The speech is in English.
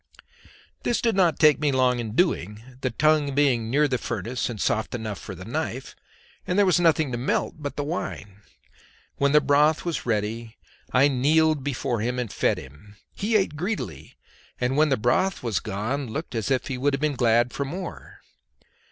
This did not take me long in doing, the tongue being near the furnace and soft enough for the knife, and there was nothing to melt but the wine. When the broth was ready I kneeled as before and fed him. He ate greedily, and when the broth was gone looked as if he would have been glad for more.